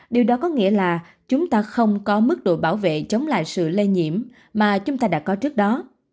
điều đó có nghĩa là chúng ta không có mức độ bảo vệ chống lại sự lây nhiễm mà chúng ta đã có trước đó